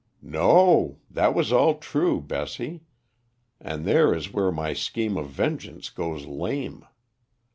"No. That was all true, Bessie, and there is where my scheme of vengeance goes lame.